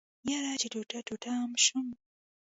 يره چې ټوټه ټوټه ام شم.